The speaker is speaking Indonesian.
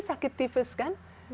sakit tifus kan